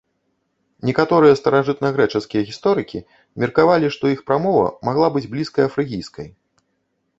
Некаторыя старажытнагрэчаскія гісторыкі меркавалі, што іх прамова магла быць блізкая фрыгійскай.